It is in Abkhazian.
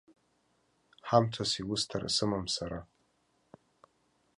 Ҳамҭас иусҭара сымам сара.